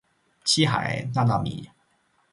七海娜娜米